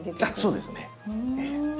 そうですね。